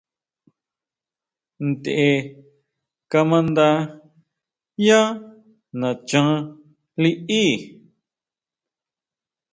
Ntʼe kama nda yá nachan liʼí.